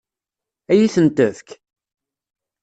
Ad iyi-ten-tefk?